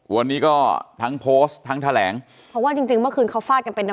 วันนี้ก็ทั้งโพสทั้งแถลงเพราะว่าจริงจริงเมื่อคืน